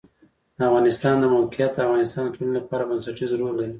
د افغانستان د موقعیت د افغانستان د ټولنې لپاره بنسټيز رول لري.